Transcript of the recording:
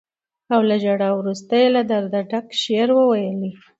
او له ژړا وروسته یې له درده ډک شعر وويلې.